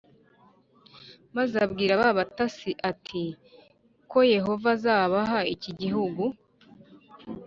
maze abwira ba batasi ati nzi ko Yehova azabaha iki gihugu